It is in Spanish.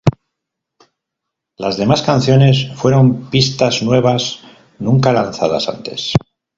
Las demás canciones fueron pistas nuevas, nunca lanzadas antes.